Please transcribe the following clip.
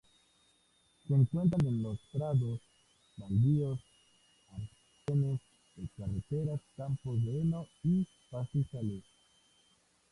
Se encuentra en los prados, baldíos, arcenes de carreteras, campos de heno y pastizales.